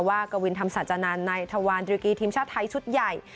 ว่ากะวินธรรมศาจนันทร์ในถวันดริกรีทีมชาติไทยชุดใหญ่